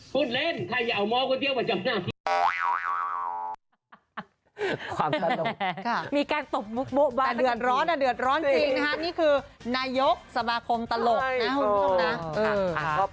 พูดเล่นค่ะอย่าเอาม้อกระเตี๊ยวบัดจำนำ